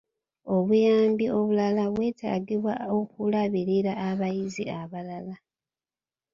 Obuyambi obulala bwetaagibwa okulabirira abayizi abalala.